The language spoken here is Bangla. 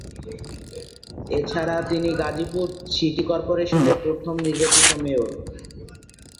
এছাড়া তিনি গাজীপুর সিটি কর্পোরেশনের প্রথম নির্বাচিত মেয়র।